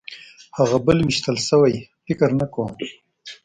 هغه بل وېشتل شوی و؟ فکر نه کوم.